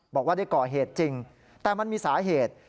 บอกว่าได้ก่อเหตุจริงแต่มันมีสาเหตุ